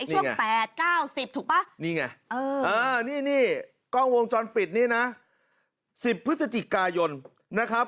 ช่วง๘๙๐ถูกป่ะนี่ไงนี่กล้องวงจรปิดนี่นะ๑๐พฤศจิกายนนะครับ